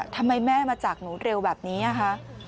ทำไมแม่มาจากหนูเร็วแบบนี้ค่ะ